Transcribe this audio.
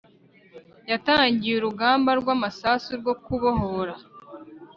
yatangiye urugamba rw'amasasu rwo kubohora